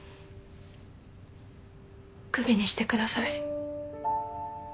首にしてください。